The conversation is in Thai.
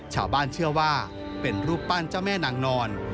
ชาวบ้านเชื่อว่าเป็นรูปปั้นเจ้าแม่นางนอน